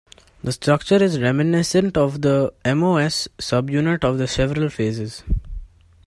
The structure is reminiscent of the MoS subunit of the Chevrel phases.